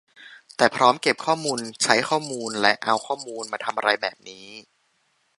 แต่พร้อมเก็บข้อมูล ใช้ข้อมูล และเอาข้อมูลมาทำอะไรแบบนี้